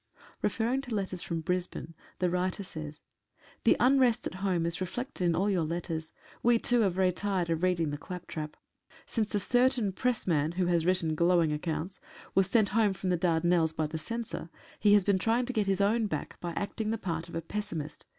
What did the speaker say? Referring to letters from Brisbane the writer says :— The unrest at home is reflected in all your letters. We, too, are very tired of reading the claptrap. Since a certain pressman (who had written glowing accounts) was sent home from the Dardanelles by the Censor he has been trying to get his own back by acting the part of a pessimist.